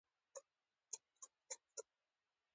څنګه دې ولیکه څنګه دې رسم کړ.